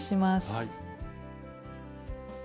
はい。